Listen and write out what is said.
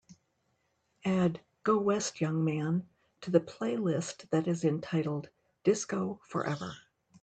Add Go West Young Man to the playlist that is entitled, Disco Forever.